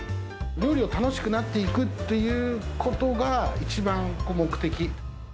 料理を楽しくなっていくということが、一番の目的。